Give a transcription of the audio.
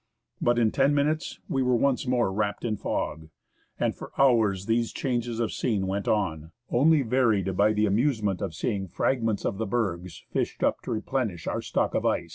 But in ten minutes we were once more wrapped in fog. And for hours these changes of scene went on, only varied by the amusement of seeing fragments of the bergs fished up to re plenish our stock of ice.